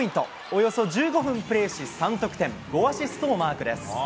およそ１５分プレーし、３得点、５アシストをマークです。